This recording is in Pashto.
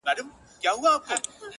o سر څه په يوه لوټه سپېره، څه په شلو!